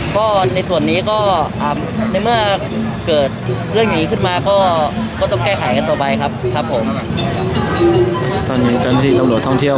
แล้วกังวลไหมครับว่าแบบนี้เหมือนเราก่อยป่าละเลยหรือเปล่าหรืออะไรอย่างเงี้ย